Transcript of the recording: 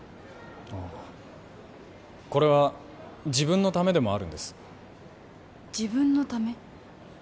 ああこれは自分のためでもあるんです自分のため？